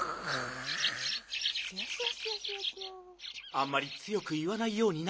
あんまりつよくいわないようにな。